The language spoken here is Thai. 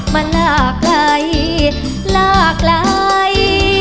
มันลากลายลากลาย